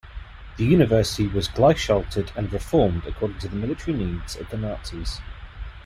The university was gleichschalted and reformed according to military needs of the Nazis.